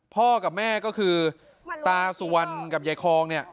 พ่อกับแม่ก็คือตาสุวรรณกับยายคองเนี่ย